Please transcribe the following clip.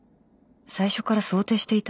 最初から想定していた？